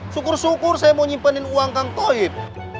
syukur syukur saya mau nyimpenin uang kang toib